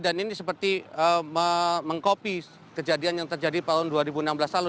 dan ini seperti mengkopi kejadian yang terjadi tahun dua ribu enam belas lalu